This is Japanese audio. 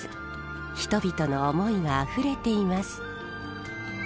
人々の思いがあふれています。